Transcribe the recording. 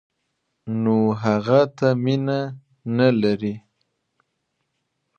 نو هغه ته مینه نه لري.